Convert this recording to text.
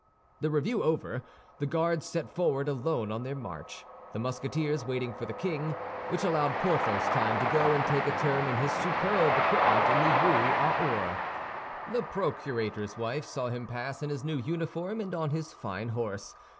The review over, the Guards set forward alone on their march, the Musketeers waiting for the king, which allowed Porthos time to go and take a turn in his superb equipment in the Rue aux Ours. The procurator's wife saw him pass in his new uniform and on his fine horse.